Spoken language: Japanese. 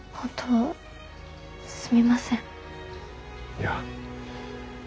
いや。